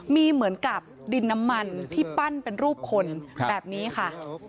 มีเหมือนกับดินน้ำมันที่ปั้นเป็นรูปคนแบบนี้ค่ะ